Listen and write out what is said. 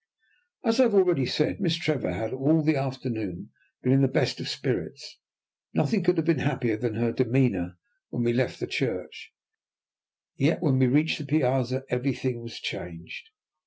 As I have already said, Miss Trevor had all the afternoon been in the best of spirits. Nothing could have been happier than her demeanour when we left the church, yet when we reached the piazza everything was changed.